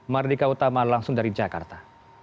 mardika utama langsung dari jakarta